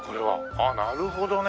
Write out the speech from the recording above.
ああなるほどね。